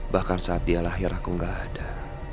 bahkan saat dia lahir aku gak ada